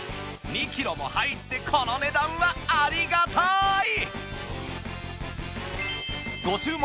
２キロも入ってこの値段はありがたい